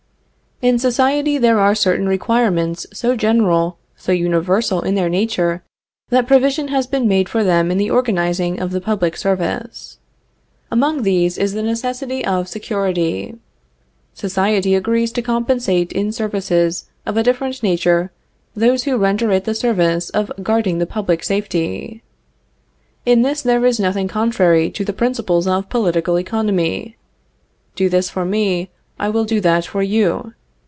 In society there are certain requirements so general, so universal in their nature, that provision has been made for them in the organizing of the public service. Among these is the necessity of security. Society agrees to compensate in services of a different nature those who render it the service of guarding the public safety. In this there is nothing contrary to the principles of political economy. _Do this for me, I will do that for you.